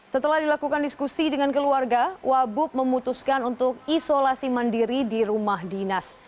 setelah dilakukan diskusi dengan keluarga wabub memutuskan untuk isolasi mandiri di rumah dinas